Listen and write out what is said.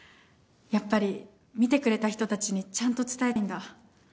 やっぱり見てくれた人たちにちゃんと伝えたいんだ。